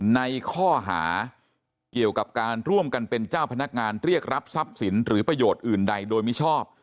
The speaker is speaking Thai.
ในข้อหาเกี่ยวกับการร่วมกันเป็นเจ้าพนักงานเรียกรับทรัพย์สินหรือประโยชน์อื่นใดโดยมิชอบ